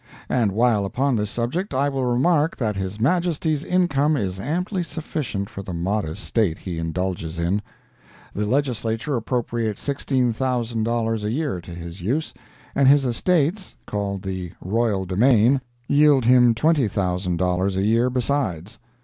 And while upon this subject I will remark that His Majesty's income is amply sufficient for the modest state he indulges in. The Legislature appropriates $16,000 a year to his use, and his estates (called the "Royal Domain"), yield him $20,000 a year besides.